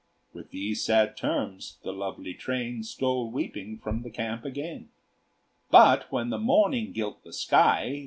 With these sad terms the lovely train Stole weeping from the camp again. But when the morning gilt the sky.